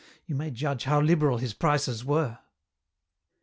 You may judge how liberal his prices were.